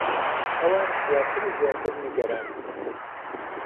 ئەوان زیاتر و زیاتر نیگەران بوون.